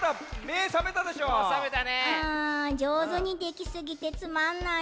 うんじょうずにできすぎてつまんない。